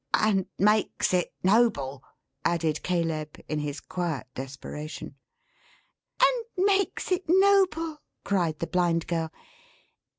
"And makes it noble," added Caleb in his quiet desperation. "And makes it noble!" cried the Blind Girl.